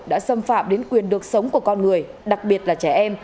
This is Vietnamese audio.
đã xâm phạm đến quyền được sống của con người đặc biệt là trẻ em